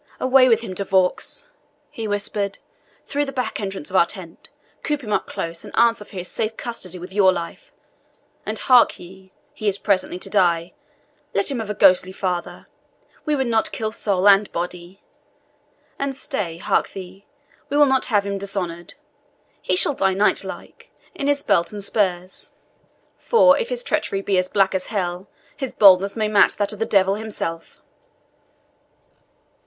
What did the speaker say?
Away with him, De Vaux," he whispered, "through the back entrance of our tent; coop him up close, and answer for his safe custody with your life. And hark ye he is presently to die let him have a ghostly father we would not kill soul and body. And stay hark thee we will not have him dishonoured he shall die knightlike, in his belt and spurs; for if his treachery be as black as hell, his boldness may match that of the devil himself."